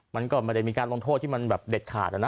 มันก็มีการลงโทษที่มันแบบเด็ดขาดแล้วนะ